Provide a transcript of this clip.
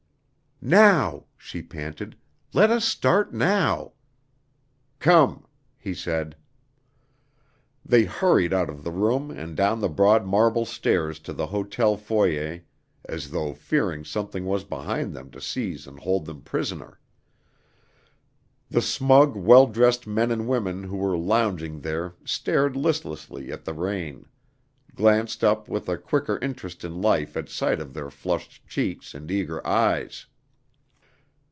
"Now," she panted. "Let us start now." "Come," he said. They hurried out of the room and down the broad marble stairs to the hotel foyer as though fearing something was behind them to seize and hold them prisoner. The smug, well dressed men and women who were lounging there staring listlessly at the rain, glanced up with a quicker interest in life at sight of their flushed cheeks and eager eyes.